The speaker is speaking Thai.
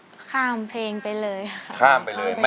อินโทรเพลงที่๓มูลค่า๔๐๐๐๐บาทมาเลยครับ